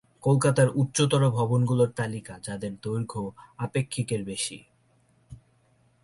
কলকাতার উচ্চতর ভবনগুলোর তালিকা যাদের দৈর্ঘ্য আপেক্ষিক এর বেশি।